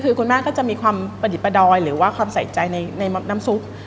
คือคุณแม่ก็จะมีความประดิษฐประดอยหรือว่าความใส่ใจในน้ำซุป